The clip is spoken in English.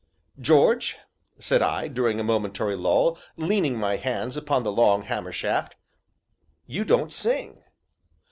"George," said I, during a momentary lull, leaning my hands upon the long hammer shaft, "you don't sing."